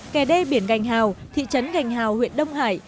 kè đê biển gành hào thị trấn gành hào huyện đông hải